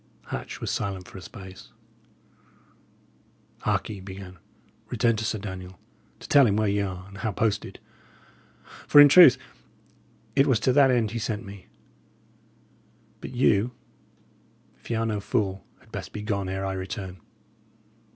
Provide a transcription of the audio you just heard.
Hatch was silent for a space. "Hark ye," he began, "return to Sir Daniel, to tell him where ye are, and how posted; for, in truth, it was to that end he sent me. But you, if ye are no fool, had best be gone ere I return."